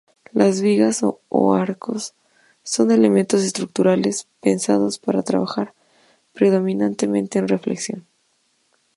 Las vigas o arcos son elementos estructurales pensados para trabajar predominantemente en flexión.